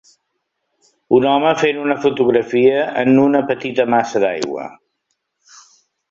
Un home fent una fotografia en un petita massa d'aigua.